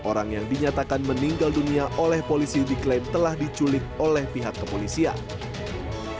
orang yang dinyatakan meninggal dunia oleh polisi diklaim telah diculik oleh pihak kepolisian